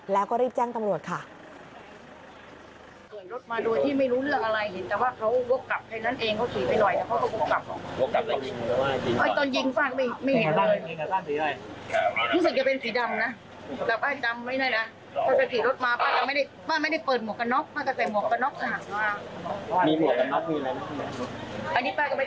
แล้วก็รีบแจ้งตำรวจค่ะ